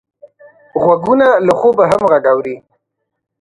غوږونه له خوبه هم غږ اوري